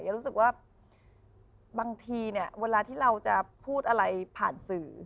รู้สึกว่าบางทีเนี่ยเวลาที่เราจะพูดอะไรผ่านสื่อ